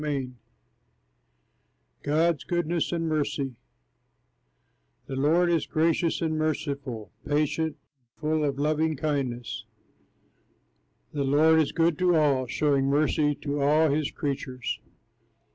Taylor] GOD'S GOODNESS AND MERCY The Lord is gracious and merciful, Patient, and full of loving kindness. The Lord is good to all, Showing mercy to all his creatures.